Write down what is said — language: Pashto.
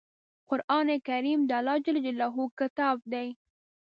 قرآن کریم د الله ﷺ کتاب دی.